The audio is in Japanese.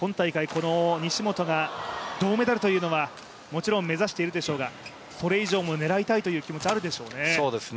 この西本が銅メダルというのはもちろん目指しているでしょうがそれ以上も狙いたいという気持ちあるでしょうね。